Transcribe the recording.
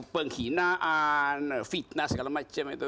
penghinaan fitnah segala macam itu